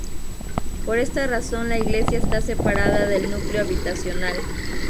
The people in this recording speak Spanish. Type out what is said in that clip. Por esta razón la Iglesia está separada del núcleo habitacional.